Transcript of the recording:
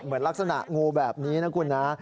เหมือนลักษณะงูแบบนี้นะคุณนะ